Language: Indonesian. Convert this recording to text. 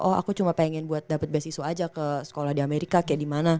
oh aku cuma pengen buat dapet beasiswa aja ke sekolah di amerika kayak di mana